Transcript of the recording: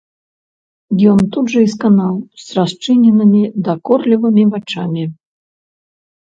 Ён тут жа і сканаў з расчыненымі дакорлівымі вачамі.